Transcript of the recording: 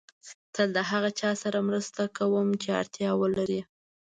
تل د هغه چا سره مرسته کوم چې اړتیا ولري.